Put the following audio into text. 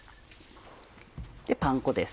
パン粉です。